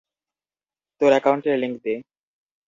তোর অ্যাকাউন্টের লিংক দে।